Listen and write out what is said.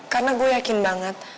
karena gue yakin banget